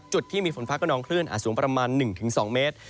จุดที่มีฝนฟ้ากระนองคลื่นอาจสูงประมาณ๑๒เมตร